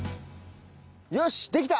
よしできた！